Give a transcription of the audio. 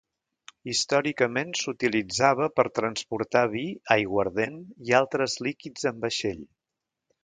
Històricament s'utilitzava per transportar vi, aiguardent i altres líquids en vaixell.